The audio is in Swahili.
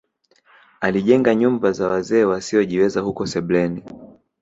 Alijenga nyumba za wazee wasiojiweza huko sebleni